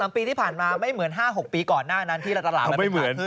ปีที่ผ่านมาไม่เหมือน๕๖ปีก่อนหน้านั้นที่ตลาดมันไม่เกิดขึ้น